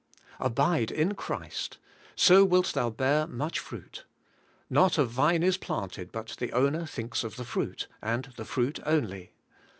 Abide in Christ: so wilt thou bear much fruit. Not a vine is planted but the owner thinks of the fruit, and the fruit only.